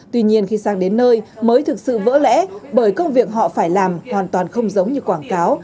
tuy nhiên khi sang đến nơi mới thực sự vỡ lẽ bởi công việc họ phải làm hoàn toàn không giống như quảng cáo